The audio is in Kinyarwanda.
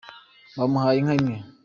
bamuhaye inka imwe